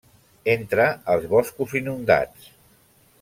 Entra als boscos inundats.